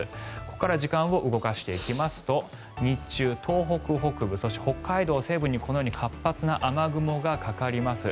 ここから時間を動かしていきますと日中、東北北部そして北海道西部にこのように活発な雨雲がかかります。